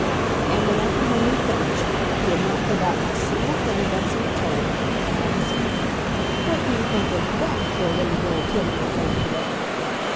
And when Uncle Henry finished—he had not forgotten a single thing Betsy had told him—and asked, "What do you think of THAT for a little girl ten years old today?"